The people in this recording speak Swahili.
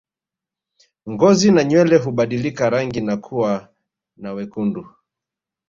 Ngozi na nywele hubadilika rangi na kuwa na wekundu